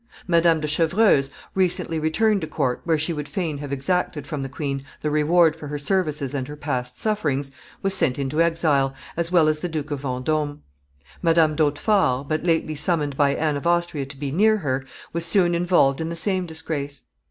Madame de Chevreuse, recently returned to court, where she would fain have exacted from the queen the reward for her services and her past sufferings, was sent into exile, as well as the Duke of Vendome. Madame d'Hautefort, but lately summoned by Anne of Austria to be near her, was soon involved in the same disgrace.